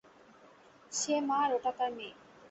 সে মা আর ওটা তার মেয়ে।